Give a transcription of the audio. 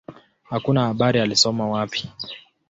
Hakuna habari alisoma wapi.